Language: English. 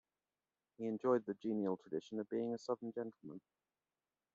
He enjoyed the genial tradition of being a Southern gentleman.